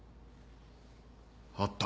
あった。